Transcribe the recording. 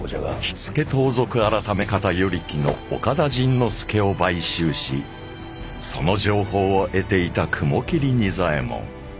火付盗賊改方与力の岡田甚之助を買収しその情報を得ていた雲霧仁左衛門。